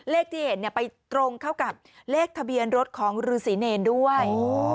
เลขที่เห็นไปตรงเข้ากับเลขทะเบียนรถของฤษีเนรด้วย